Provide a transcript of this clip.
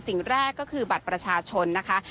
สิ่งแรกก็คือบัตรประชาชนนะคะ